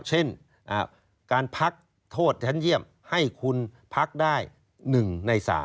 เช่นการพักโทษชั้นเยี่ยมให้คุณพักได้๑ใน๓